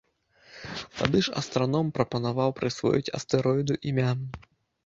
Тады ж астраном прапанаваў прысвоіць астэроіду імя.